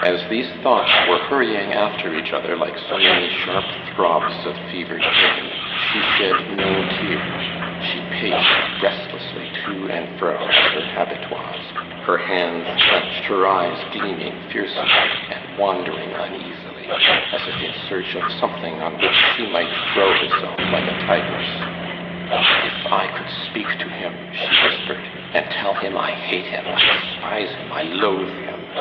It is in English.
As these thoughts were hurrying after each other like so many sharp throbs of fevered pain, she shed no tear. She paced restlessly to and fro, as her habit was her hands clenched, her eyes gleaming fiercely and wandering uneasily, as if in search of something on which she might throw herself like a tigress. 'If I could speak to him,' she whispered, 'and tell him I hate him, I despise him, I loathe him!